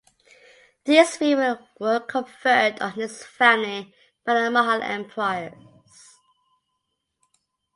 These three were conferred on his family by the Mughal Emperors.